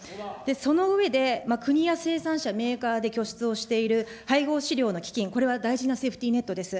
その上で、国や生産者、メーカーで拠出をしている配合飼料の基金、これは大事なセーフティーネットです。